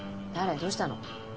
どうしたの？